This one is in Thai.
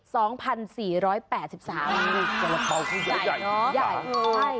สละเป่าขึ้นใหญ่